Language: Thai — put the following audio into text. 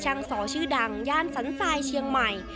สอชื่อดังย่านสันทรายเชียงใหม่